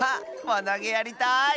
わなげやりたい！